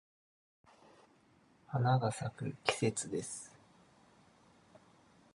花が咲く季節です。